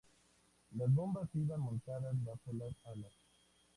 Las bombas iban montadas bajo las alas.